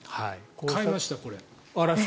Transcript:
買いました、これ。